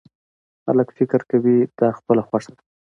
خلک فکر کوي دا خپله خوښه ده.